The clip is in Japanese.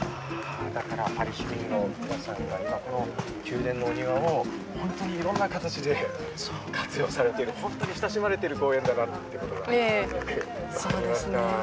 パリ市民の皆さんが宮殿のお庭を本当にいろんな形で活用されている親しまれている公園だということが分かりました。